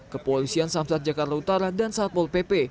kepolisian samsat jakarta utara dan satpol pp